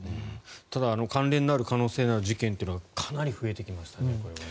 ただ、関連のある可能性のある事件というのはかなり増えてきましたね。